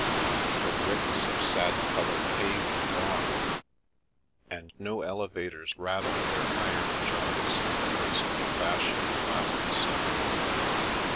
The ricks of sad col oured hay were gone, and no elevators rattled their iron joints in the ghostly fashion of last summer.